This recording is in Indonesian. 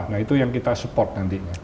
nah itu yang kita support nantinya